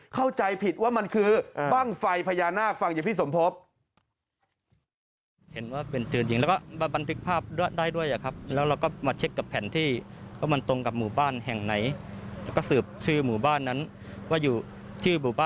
เข้าใจผิดว่ามันคือบ้างไฟพญานาคฟังจากพี่สมภพ